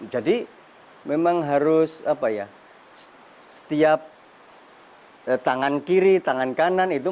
jadi memang harus setiap tangan kiri tangan kanan itu